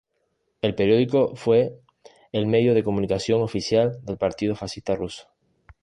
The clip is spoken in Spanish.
El periódico fue el medio de comunicación oficial del Partido Fascista Ruso.